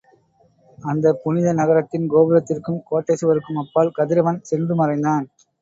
அந்தப் புனித நகரத்தின் கோபுரத்திற்கும் கோட்டைச் சுவருக்கும் அப்பால் கதிரவன் சென்று மறைந்தான்.